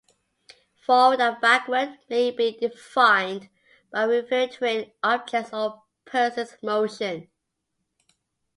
Forward and backward may be defined by referring to an object's or person's motion.